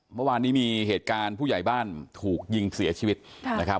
เมื่อวานนี้มีเหตุการณ์ผู้ใหญ่บ้านถูกยิงเสียชีวิตนะครับ